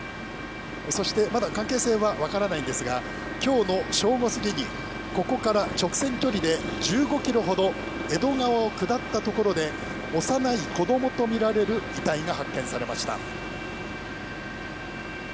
そしてまだ、関係性は分からないんですが今日の正午過ぎにここから直線距離で１５ｋｍほど江戸川を下ったところで幼い子供とみられる遺体が発見されました。